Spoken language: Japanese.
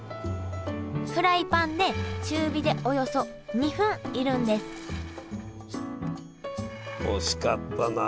フライパンで中火でおよそ２分煎るんです惜しかったな。